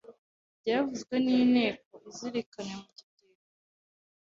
Byevuzwe n’Inteko izirikene mu gitebo